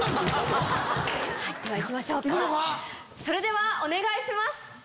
それではお願いします！